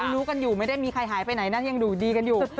รู้กันอยู่ไม่ได้มีใครหายไปไหนนะยังดูดีกันอยู่